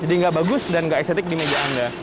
jadi gak bagus dan gak estetik di meja anda